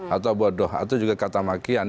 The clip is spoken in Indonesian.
atau bodoh atau juga kata makian